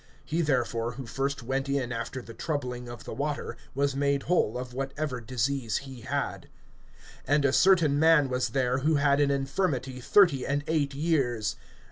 He therefore; who first went in after the troubling of the water, was made whole of whatever disease he had][5:4]. (5)And a certain man was there, who had an infirmity thirty and eight years.